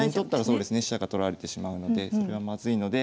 そうですね飛車が取られてしまうのでそれはまずいので。